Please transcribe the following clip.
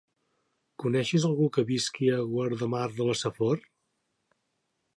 Coneixes algú que visqui a Guardamar de la Safor?